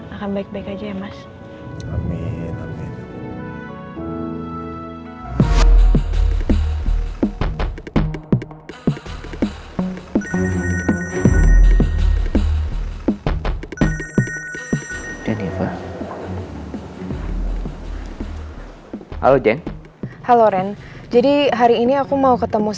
akan baik baik aja ya mas